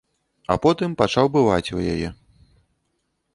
А потым пачаў бываць у яе.